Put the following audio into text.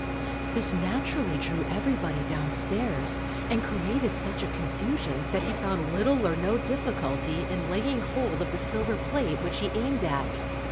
_ This naturally drew everybody downstairs, and created such a confusion that he found little or no difficulty in laying hold of the silver plate which he aimed at.